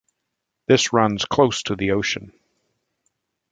This runs close to the ocean.